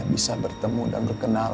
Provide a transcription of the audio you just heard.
setelah aku berdua di alternate kali